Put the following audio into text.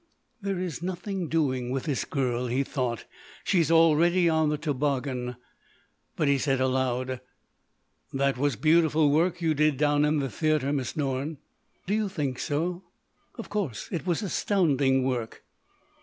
"There is nothing doing with this girl," he thought. "She's already on the toboggan." But he said aloud: "That was beautiful work you did down in the theatre, Miss Norne." "Did you think so?" "Of course. It was astounding work."